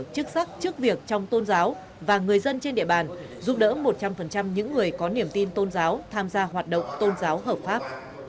chức sắc trước việc trong tôn giáo và người dân trên địa bàn giúp đỡ một trăm linh những người có niềm tin tôn giáo tham gia hoạt động tôn giáo hợp pháp